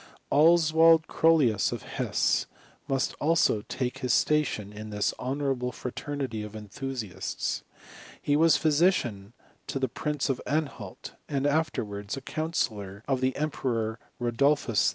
Oswald CroUius, of Hesse, must also take his sta« tion in this honourable fraternity of enthusiasts. He was physician to the Prince of Anhalt, and afterwards a counsellor of the Emperor Rodolphus H.